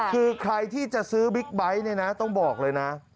คือใครที่จะซื้อบิ๊กไบท์เนี่ยนะต้องบอกเลยนะ